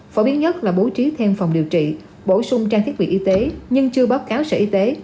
phổ biến nhất là bố trí thêm phòng điều trị bổ sung trang thiết bị y tế nhưng chưa báo cáo sở y tế